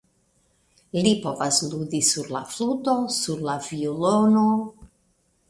Li povas ludi sur la fluto, sur la violono.